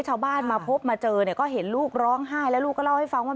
ชาวบ้านมาพบมาเจอเนี่ยก็เห็นลูกร้องไห้แล้วลูกก็เล่าให้ฟังว่า